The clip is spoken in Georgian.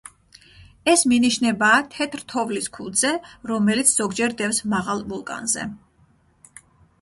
ეს მინიშნებაა თეთრ თოვლის ქუდზე, რომელიც ზოგჯერ დევს მაღალ ვულკანზე.